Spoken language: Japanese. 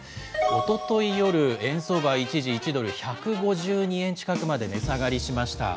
おととい夜、円相場は一時１ドル１５２円近くまで値下がりしました。